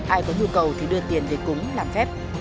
ai có nhu cầu thì đưa tiền để cúng làm phép